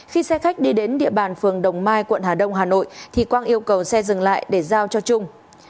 khi xe khách đi đến địa bàn phường đồng mai quận hà đông hà nội thì quang yêu cầu xe dừng lại để giao cho trung